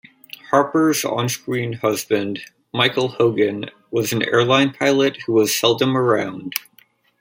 Harper's on-screen husband, Michael Hogan, was an airline pilot who was seldom around.